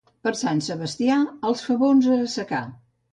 Per Sant Sebastià, els favons a assecar.